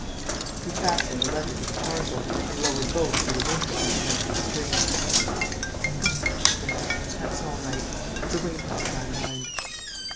He fastened the letter to the parcel and lowered both through the window with a length of string: "Good," he said. "That's all right. It's a weight off my mind."